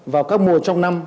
vào các mùa trong năm